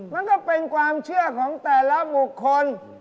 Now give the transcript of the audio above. มันก็เป็นความเชื่อของแต่ละบุคคล